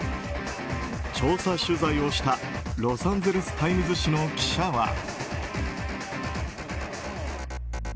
調査取材をしたロサンゼルス・タイムズ紙の記者は。